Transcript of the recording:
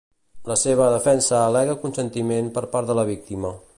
La seva defensa al·lega consentiment per part de la víctima.